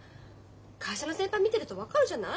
会社の先輩見てると分かるじゃない？